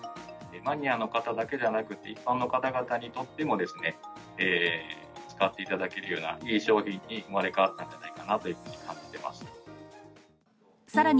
マニアの方だけじゃなくて、一般の方々にとっても、使っていただけるようないい商品に生まれ変わったんじゃないかな